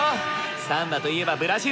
サンバといえばブラジル。